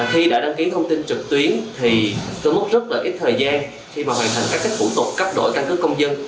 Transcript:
khi đã đăng ký thông tin trực tuyến tôi mất rất ít thời gian khi hoàn thành các phủ tục cấp đổi căn cước công dân